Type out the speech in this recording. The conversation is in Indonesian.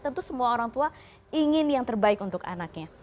tentu semua orang tua ingin yang terbaik untuk anaknya